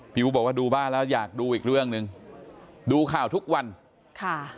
อู๋บอกว่าดูบ้านแล้วอยากดูอีกเรื่องหนึ่งดูข่าวทุกวันค่ะ